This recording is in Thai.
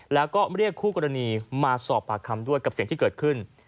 แล้วก็เรียกคู่กรณีมาสอบปากคำด้วยกับสิ่งที่เกิดขึ้น